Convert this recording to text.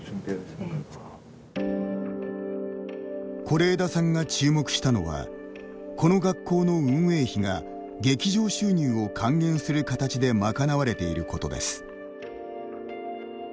是枝さんが注目したのはこの学校の運営費が劇場収入を還元する形で賄われていることです。